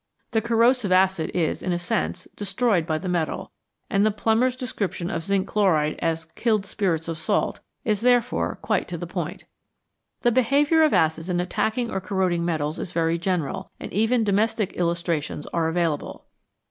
The corrosive acid is, in a sense, destroyed by the metal, and the plumber's description of zinc chloride as " killed spirits of salt " is therefore quite to the point. The behaviour of acids in attacking or corroding metals is very general, and even domestic illustrations are avail able.